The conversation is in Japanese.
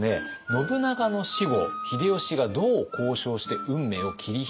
信長の死後秀吉がどう交渉して運命を切り開いていったのか。